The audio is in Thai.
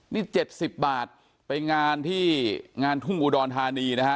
นี่๗๐บาทไปงานที่งานทุ่งอุดรธานีนะฮะ